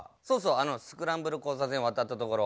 そうそうあのスクランブル交差点渡った所。